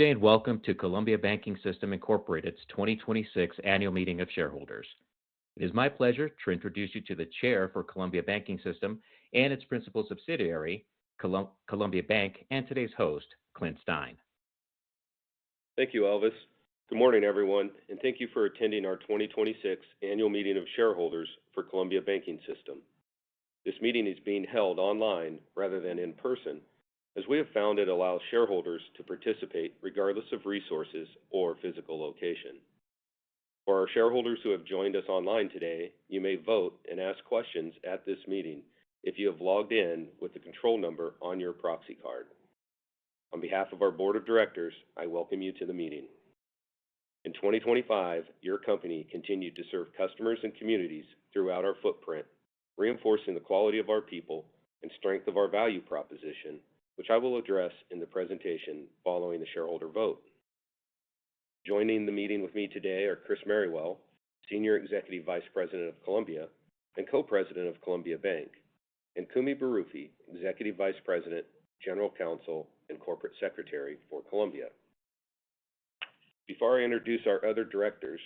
Good day and welcome to Columbia Banking System Incorporated's 2026 annual meeting of shareholders. It is my pleasure to introduce you to the Chair for Columbia Banking System and its principal subsidiary, Columbia Bank, and today's host, Clint Stein. Thank you, Elvis. Good morning, everyone, and thank you for attending our 2026 annual meeting of shareholders for Columbia Banking System. This meeting is being held online rather than in person, as we have found it allows shareholders to participate regardless of resources or physical location. For our shareholders who have joined us online today, you may vote and ask questions at this meeting if you have logged in with the control number on your proxy card. On behalf of our board of directors, I welcome you to the meeting. In 2025, your company continued to serve customers and communities throughout our footprint, reinforcing the quality of our people and strength of our value proposition, which I will address in the presentation following the shareholder vote. Joining the meeting with me today are Chris Merrywell, Senior Executive Vice President of Columbia and Co-President of Columbia Bank, and Kumi Yamamoto Baruffi, Executive Vice President, General Counsel, and Corporate Secretary for Columbia. Before I introduce our other directors,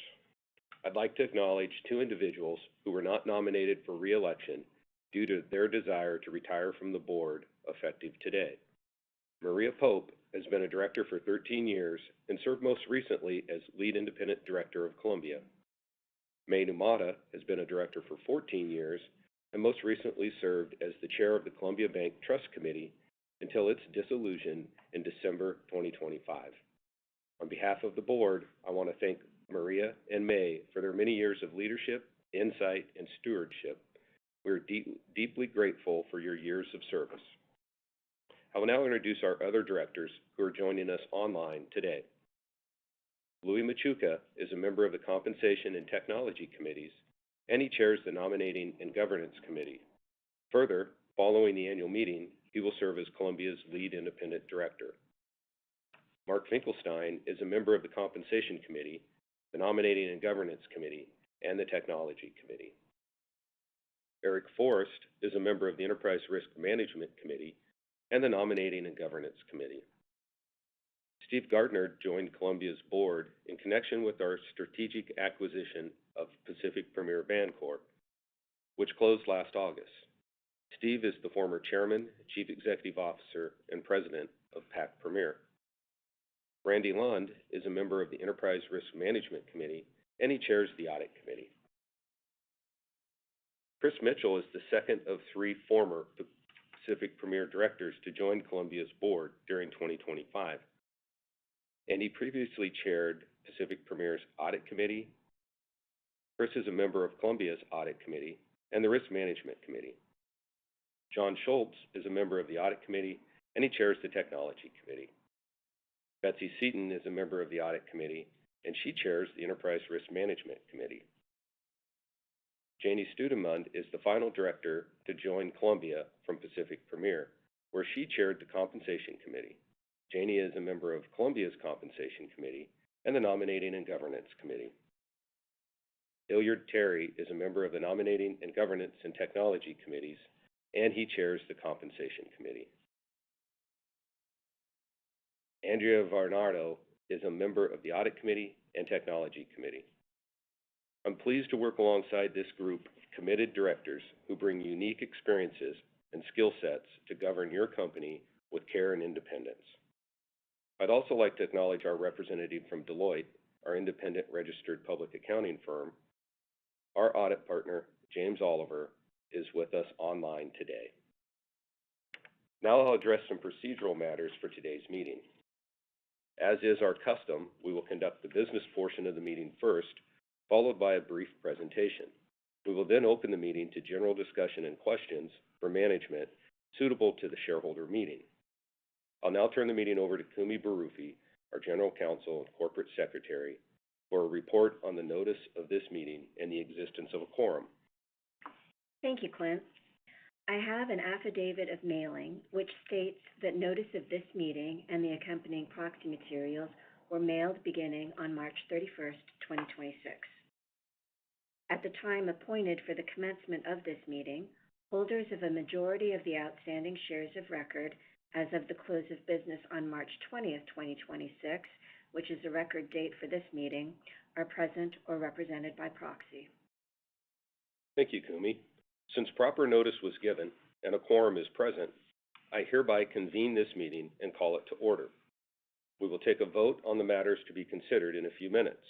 I'd like to acknowledge two individuals who were not nominated for re-election due to their desire to retire from the board effective today. Maria Pope has been a director for 13 years and served most recently as Lead Independent Director of Columbia. Mae Numata has been a director for 14 years and most recently served as the Chair of the Columbia Bank Trust Committee until its dissolution in December 2025. On behalf of the board, I want to thank Maria and Mae for their many years of leadership, insight, and stewardship. We're deeply grateful for your years of service. I will now introduce our other directors who are joining us online today. Luis Machuca is a member of the Compensation and Technology Committees. He chairs the Nominating and Governance Committee. Following the annual meeting, he will serve as Columbia's Lead Independent Director. Mark Finkelstein is a member of the Compensation Committee, the Nominating and Governance Committee, and the Technology Committee. Eric Forrest is a member of the Enterprise Risk Management Committee and the Nominating and Governance Committee. Steve Gardner joined Columbia's board in connection with our strategic acquisition of Pacific Premier Bancorp, which closed last August. Steve is the former Chairman, Chief Executive Officer, and President of Pac Premier. Randy Lund is a member of the Enterprise Risk Management Committee. He chairs the Audit Committee. Chris Mitchell is the second of three former Pacific Premier directors to join Columbia's board during 2025, and he previously chaired Pacific Premier's Audit Committee. Chris is a member of Columbia's Audit Committee and the Risk Management Committee. John Schultz is a member of the Audit Committee, and he chairs the Technology Committee. Betsy Seaton is a member of the Audit Committee, and she chairs the Enterprise Risk Management Committee. Jaynie Studenmund is the final director to join Columbia from Pacific Premier, where she chaired the Compensation Committee. Jaynie is a member of Columbia's Compensation Committee and the Nominating and Governance Committee. Hilliard Terry III is a member of the Nominating and Governance and Technology Committees, and he chairs the Compensation Committee. Anddria Varnado is a member of the Audit Committee and Technology Committee. I'm pleased to work alongside this group of committed directors who bring unique experiences and skill sets to govern your company with care and independence. I'd also like to acknowledge our representative from Deloitte, our independent registered public accounting firm. Our audit partner, James Oliver, is with us online today. Now I'll address some procedural matters for today's meeting. As is our custom, we will conduct the business portion of the meeting first, followed by a brief presentation. We will then open the meeting to general discussion and questions for management suitable to the shareholder meeting. I'll now turn the meeting over to Kumi Baruffi, our General Counsel and Corporate Secretary, for a report on the notice of this meeting and the existence of a quorum. Thank you, Clint. I have an affidavit of mailing which states that notice of this meeting and the accompanying proxy materials were mailed beginning on March 31st, 2026. At the time appointed for the commencement of this meeting, holders of a majority of the outstanding shares of record as of the close of business on March 20th, 2026, which is the record date for this meeting, are present or represented by proxy. Thank you, Kumi. Since proper notice was given and a quorum is present, I hereby convene this meeting and call it to order. We will take a vote on the matters to be considered in a few minutes.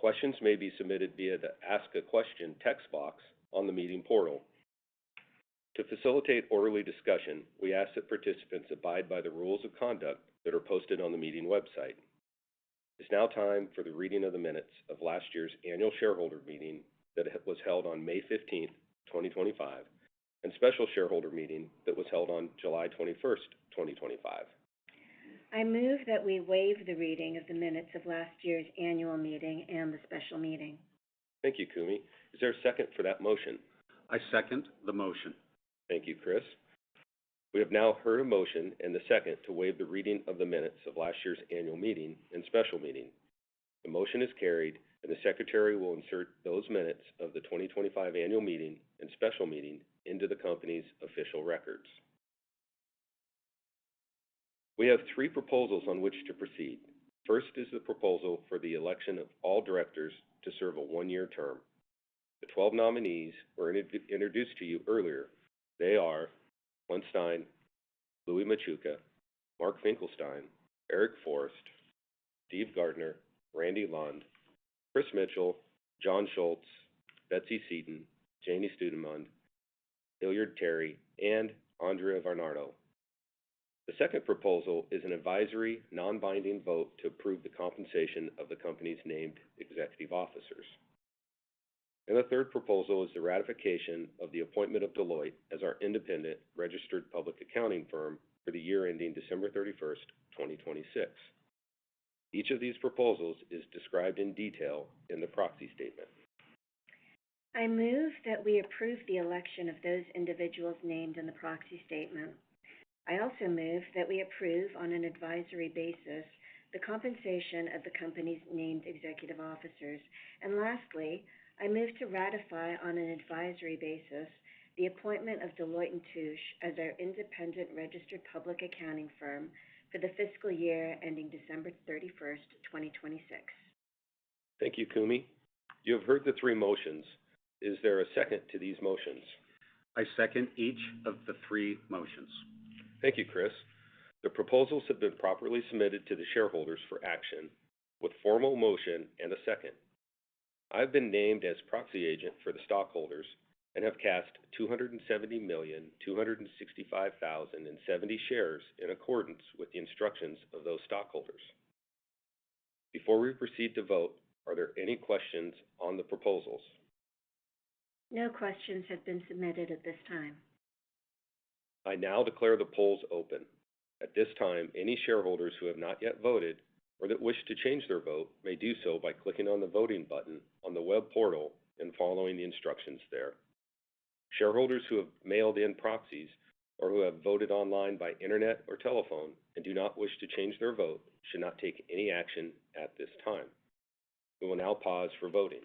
Questions may be submitted via the Ask a Question text box on the meeting portal. To facilitate orderly discussion, we ask that participants abide by the rules of conduct that are posted on the meeting website. It's now time for the reading of the minutes of last year's annual shareholder meeting that was held on May 15, 2025, and special shareholder meeting that was held on July 21, 2025. I move that we waive the reading of the minutes of last year's annual meeting and the special meeting. Thank you, Kumi. Is there a second for that motion? I second the motion. Thank you, Chris. We have now heard a motion and a second to waive the reading of the minutes of last year's annual meeting and special meeting. The motion is carried, and the secretary will insert those minutes of the 2025 annual meeting and special meeting into the company's official records. We have three proposals on which to proceed. First is the proposal for the election of all directors to serve a one-year term. The 12 nominees were introduced to you earlier. They are Clint Stein, Luis Machuca, Mark Finkelstein, Eric Forrest, Steve Gardner, Randy Lund, Chris Mitchell, John Schultz, Betsy Seaton, Jaynie Studenmund, Hilliard Terry, and Anddria Varnado. The second proposal is an advisory non-binding vote to approve the compensation of the company's named executive officers. The third proposal is the ratification of the appointment of Deloitte as our independent registered public accounting firm for the year ending December 31st, 2026. Each of these proposals is described in detail in the proxy statement. I move that we approve the election of those individuals named in the proxy statement. I also move that we approve on an advisory basis the compensation of the company's named executive officers. Lastly, I move to ratify on an advisory basis the appointment of Deloitte & Touche as our independent registered public accounting firm for the fiscal year ending December 31st, 2026. Thank you, Kumi. You have heard the three motions. Is there a second to these motions? I second each of the three motions. Thank you, Chris. The proposals have been properly submitted to the shareholders for action with formal motion and a second. I've been named as proxy agent for the stockholders and have cast 270,265,070 shares in accordance with the instructions of those stockholders. Before we proceed to vote, are there any questions on the proposals? No questions have been submitted at this time. I now declare the polls open. At this time, any shareholders who have not yet voted or that wish to change their vote may do so by clicking on the voting button on the web portal and following the instructions there. Shareholders who have mailed in proxies or who have voted online by internet or telephone and do not wish to change their vote should not take any action at this time. We will now pause for voting.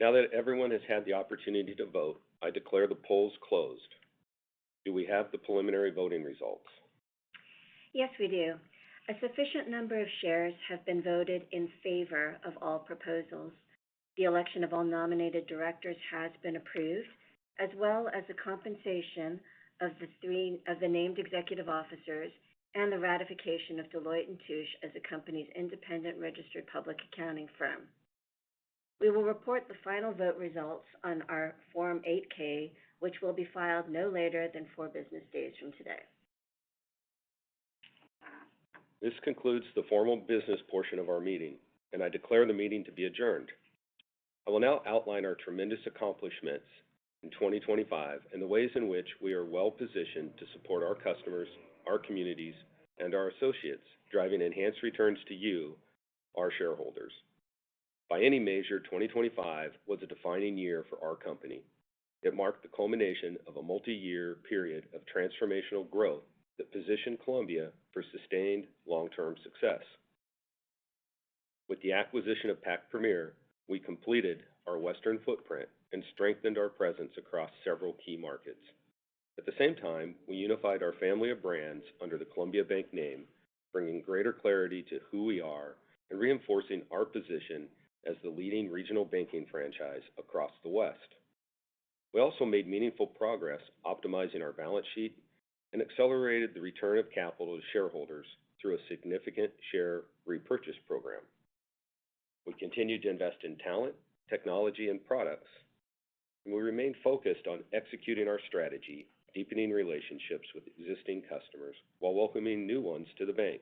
Now that everyone has had the opportunity to vote, I declare the polls closed. Do we have the preliminary voting results? Yes, we do. A sufficient number of shares have been voted in favor of all proposals. The election of all nominated directors has been approved, as well as the compensation of the three of the named executive officers and the ratification of Deloitte & Touche as the company's independent registered public accounting firm. We will report the final vote results on our Form 8-K, which will be filed no later than four business days from today. This concludes the formal business portion of our meeting, and I declare the meeting to be adjourned. I will now outline our tremendous accomplishments in 2025 and the ways in which we are well-positioned to support our customers, our communities, and our associates, driving enhanced returns to you, our shareholders. By any measure, 2025 was a defining year for our company. It marked the culmination of a multi-year period of transformational growth that positioned Columbia for sustained long-term success. With the acquisition of Pac Premier, we completed our Western footprint and strengthened our presence across several key markets. At the same time, we unified our family of brands under the Columbia Bank name, bringing greater clarity to who we are and reinforcing our position as the leading regional banking franchise across the West. We also made meaningful progress optimizing our balance sheet and accelerated the return of capital to shareholders through a significant share repurchase program. We continued to invest in talent, technology, and products. We remain focused on executing our strategy, deepening relationships with existing customers while welcoming new ones to the bank.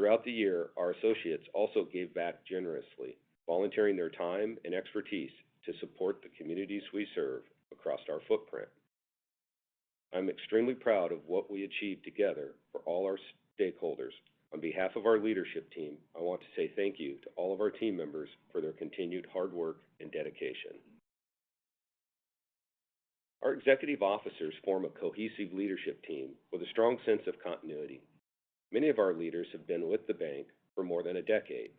Throughout the year, our associates also gave back generously, volunteering their time and expertise to support the communities we serve across our footprint. I'm extremely proud of what we achieved together for all our stakeholders. On behalf of our leadership team, I want to say thank you to all of our team members for their continued hard work and dedication. Our executive officers form a cohesive leadership team with a strong sense of continuity. Many of our leaders have been with the bank for more than a decade,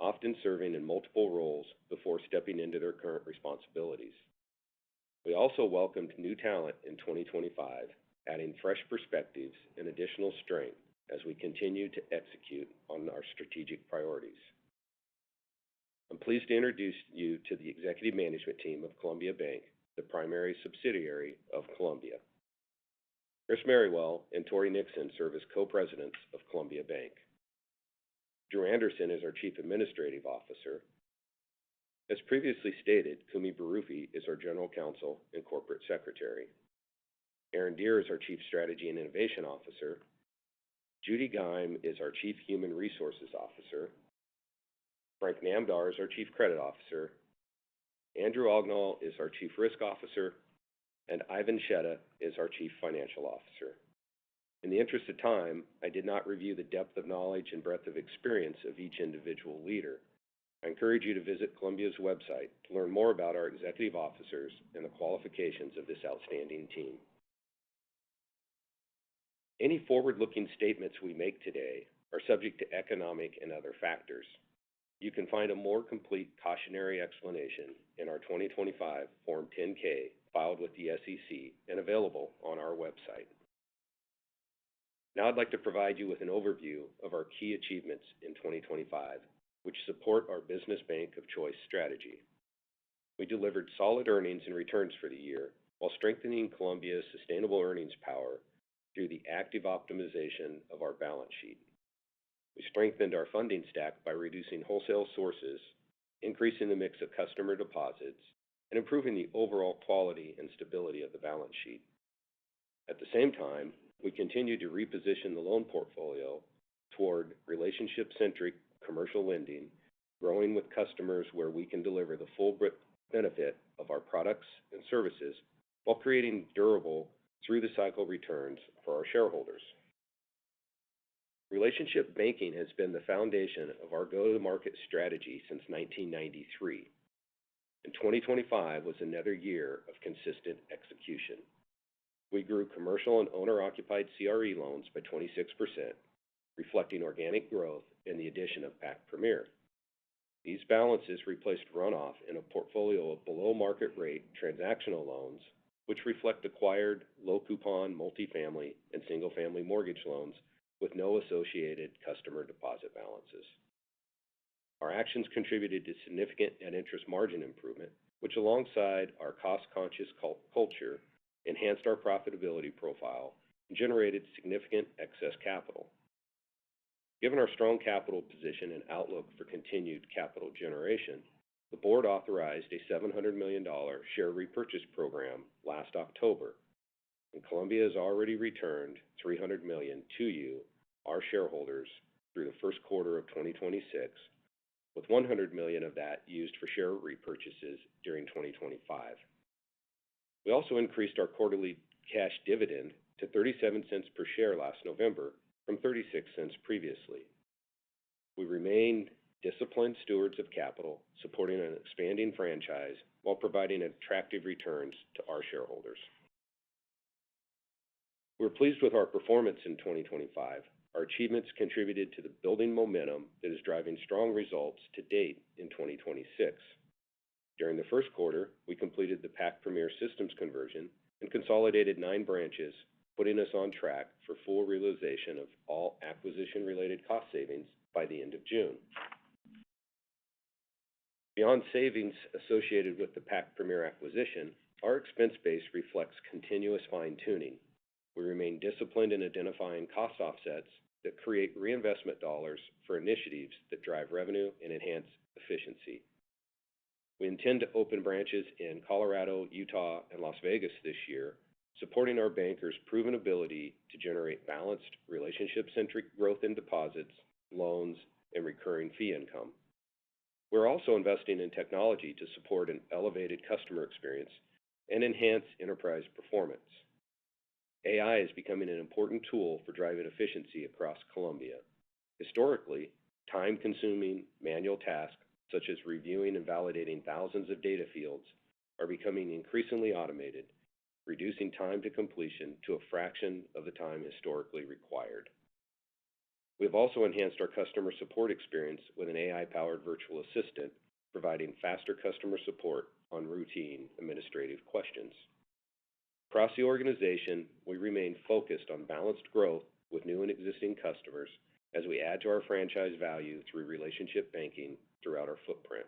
often serving in multiple roles before stepping into their current responsibilities. We also welcomed new talent in 2025, adding fresh perspectives and additional strength as we continue to execute on our strategic priorities. I'm pleased to introduce you to the executive management team of Columbia Bank, the primary subsidiary of Columbia. Chris Merrywell and Torran Nixon serve as Co-Presidents of Columbia Bank. Drew Anderson is our Chief Administrative Officer. As previously stated, Kumi Baruffi is our General Counsel and Corporate Secretary. Aaron James Deer is our Chief Strategy and Innovation Officer. Judi Giem is our Chief Human Resources Officer. Frank Namdar is our Chief Credit Officer, Andrew Ognall is our Chief Risk Officer, and Ivan Sheda is our Chief Financial Officer. In the interest of time, I did not review the depth of knowledge and breadth of experience of each individual leader. I encourage you to visit Columbia's website to learn more about our executive officers and the qualifications of this outstanding team. Any forward-looking statements we make today are subject to economic and other factors. You can find a more complete cautionary explanation in our 2025 Form 10-K filed with the SEC and available on our website. Now I'd like to provide you with an overview of our key achievements in 2025, which support our business bank of choice strategy. We delivered solid earnings and returns for the year while strengthening Columbia's sustainable earnings power through the active optimization of our balance sheet. We strengthened our funding stack by reducing wholesale sources, increasing the mix of customer deposits, and improving the overall quality and stability of the balance sheet. At the same time, we continued to reposition the loan portfolio toward relationship-centric commercial lending, growing with customers where we can deliver the full benefit of our products and services while creating durable through the cycle returns for our shareholders. Relationship banking has been the foundation of our go-to-market strategy since 1993. 2025 was another year of consistent execution. We grew commercial and owner-occupied CRE loans by 26%, reflecting organic growth in the addition of Pac Premier. These balances replaced runoff in a portfolio of below-market rate transactional loans which reflect acquired low coupon multifamily and single-family mortgage loans with no associated customer deposit balances. Our actions contributed to significant net interest margin improvement, which alongside our cost-conscious culture enhanced our profitability profile and generated significant excess capital. Given our strong capital position and outlook for continued capital generation, the board authorized a $700 million share repurchase program last October. Columbia has already returned $300 million to you, our shareholders, through the first quarter of 2026, with $100 million of that used for share repurchases during 2025. We also increased our quarterly cash dividend to $0.37 per share last November from $0.36 previously. We remain disciplined stewards of capital supporting an expanding franchise while providing attractive returns to our shareholders. We're pleased with our performance in 2025. Our achievements contributed to the building momentum that is driving strong results to date in 2026. During the first quarter, we completed the Pac Premier systems conversion and consolidated nine branches, putting us on track for full realization of all acquisition-related cost savings by the end of June. Beyond savings associated with the Pac Premier acquisition, our expense base reflects continuous fine-tuning. We remain disciplined in identifying cost offsets that create reinvestment dollars for initiatives that drive revenue and enhance efficiency. We intend to open branches in Colorado, Utah, and Las Vegas this year, supporting our bankers' proven ability to generate balanced relationship-centric growth in deposits, loans, and recurring fee income. We're also investing in technology to support an elevated customer experience and enhance enterprise performance. AI is becoming an important tool for driving efficiency across Columbia. Historically, time-consuming manual tasks such as reviewing and validating thousands of data fields are becoming increasingly automated, reducing time to completion to a fraction of the time historically required. We have also enhanced our customer support experience with an AI-powered virtual assistant, providing faster customer support on routine administrative questions. Across the organization, we remain focused on balanced growth with new and existing customers as we add to our franchise value through relationship banking throughout our footprint.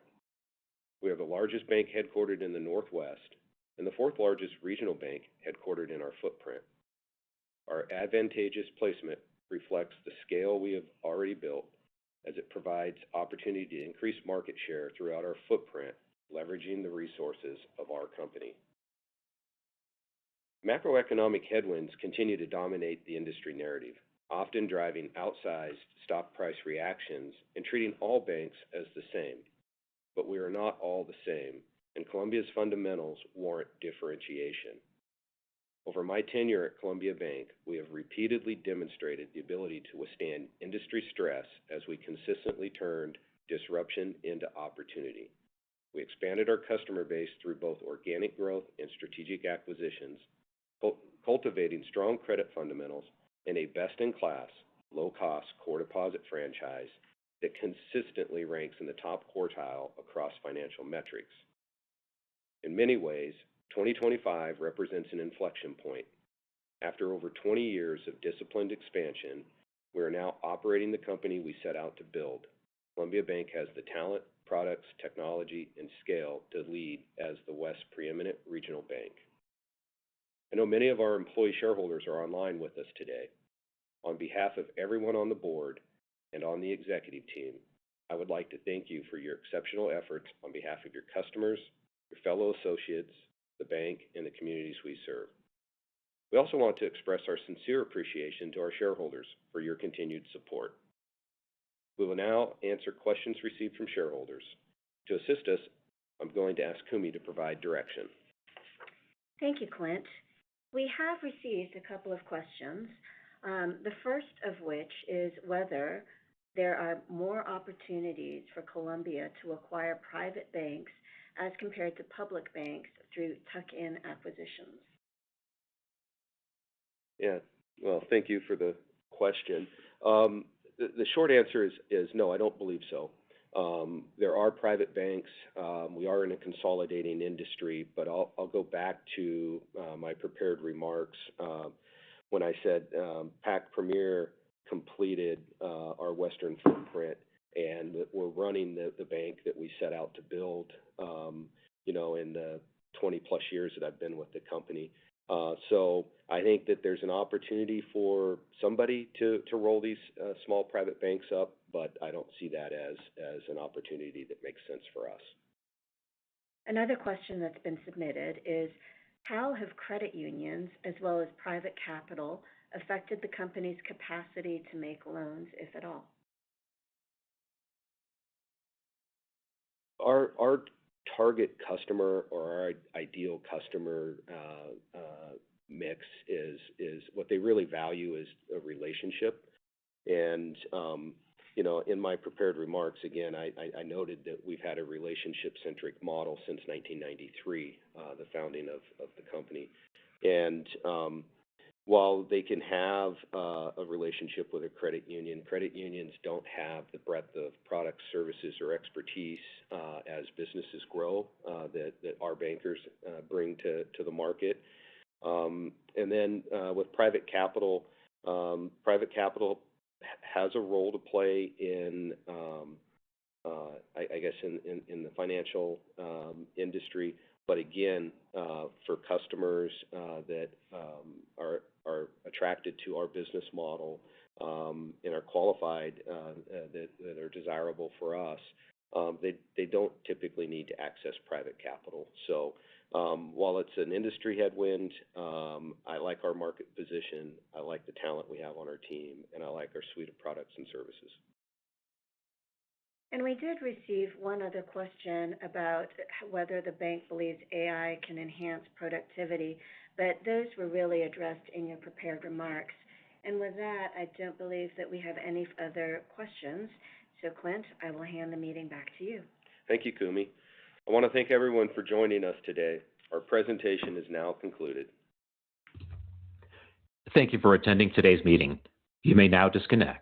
We are the largest bank headquartered in the Northwest and the fourth largest regional bank headquartered in our footprint. Our advantageous placement reflects the scale we have already built as it provides opportunity to increase market share throughout our footprint, leveraging the resources of our company. Macroeconomic headwinds continue to dominate the industry narrative, often driving outsized stock price reactions and treating all banks as the same. We are not all the same, and Columbia's fundamentals warrant differentiation. Over my tenure at Columbia Bank, we have repeatedly demonstrated the ability to withstand industry stress as we consistently turned disruption into opportunity. We expanded our customer base through both organic growth and strategic acquisitions, cultivating strong credit fundamentals in a best-in-class, low-cost core deposit franchise that consistently ranks in the top quartile across financial metrics. In many ways, 2025 represents an inflection point. After over 20 years of disciplined expansion, we are now operating the company we set out to build. Columbia Bank has the talent, products, technology, and scale to lead as the West's preeminent regional bank. I know many of our employee shareholders are online with us today. On behalf of everyone on the board and on the executive team, I would like to thank you for your exceptional efforts on behalf of your customers, your fellow associates, the bank, and the communities we serve. We also want to express our sincere appreciation to our shareholders for your continued support. We will now answer questions received from shareholders. To assist us, I'm going to ask Kumi to provide direction. Thank you, Clint. We have received a couple of questions. The first of which is whether there are more opportunities for Columbia to acquire private banks as compared to public banks through tuck-in acquisitions. Well, thank you for the question. The short answer is no, I don't believe so. There are private banks. We are in a consolidating industry, but I'll go back to my prepared remarks when I said Pac Premier completed our Western footprint and we're running the bank that we set out to build, you know, in the 20+ years that I've been with the company. I think that there's an opportunity for somebody to roll these small private banks up, but I don't see that as an opportunity that makes sense for us. Another question that's been submitted is how have credit unions as well as private capital affected the company's capacity to make loans, if at all? Our target customer or our ideal customer mix is what they really value is a relationship. You know, in my prepared remarks, again, I noted that we've had a relationship-centric model since 1993, the founding of the company. While they can have a relationship with a credit union, credit unions don't have the breadth of product services or expertise as businesses grow that our bankers bring to the market. With private capital, private capital has a role to play in I guess in the financial industry. Again, for customers that are attracted to our business model, and are qualified, that are desirable for us, they don't typically need to access private capital. While it's an industry headwind, I like our market position, I like the talent we have on our team, and I like our suite of products and services. We did receive one other question about whether the bank believes AI can enhance productivity, but those were really addressed in your prepared remarks. With that, I don't believe that we have any other questions. Clint, I will hand the meeting back to you. Thank you, Kumi. I want to thank everyone for joining us today. Our presentation is now concluded. Thank you for attending today's meeting. You may now disconnect.